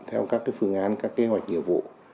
theo các phương án các kế hoạch nghiệp vụ